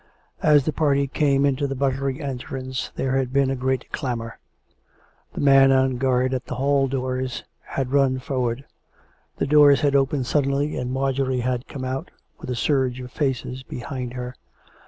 As the party came into the buttery entrance, there had been a great clamour; the 429 430 COME RACK! COME ROPE! man on guard at the hall doors had run forward; the doors had opened suddenly and Marjorie had come out, with a surge of faces behind her.